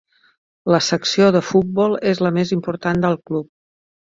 La secció de futbol és la més important del club.